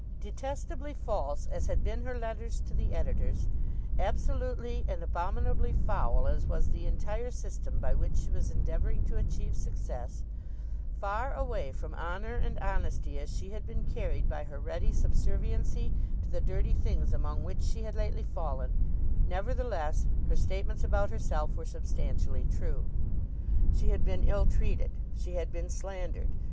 Detestably false as had been her letters to the editors, absolutely and abominably foul as was the entire system by which she was endeavouring to achieve success, far away from honour and honesty as she had been carried by her ready subserviency to the dirty things among which she had lately fallen, nevertheless her statements about herself were substantially true. She had been ill treated. She had been slandered.